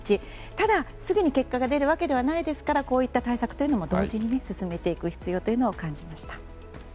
ただ、すぐに結果が出るわけではないですからこういった対策も、同時に進めていく必要を感じました。